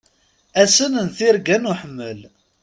Ass-n n tirga n uḥemmel.